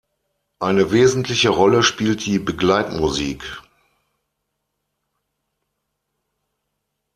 Eine wesentliche Rolle spielt die Begleitmusik.